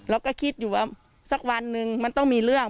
เราก็คิดอยู่ว่าสักวันหนึ่งมันต้องมีเรื่อง